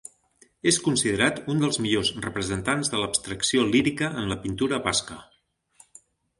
És considerat un dels millors representants de l'Abstracció Lírica en la pintura basca.